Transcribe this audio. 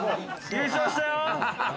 優勝したよ！